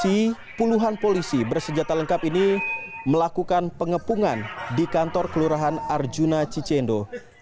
polisi puluhan polisi bersenjata lengkap ini melakukan pengepungan di kantor kelurahan arjuna cicendo